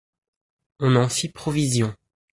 On en fit provision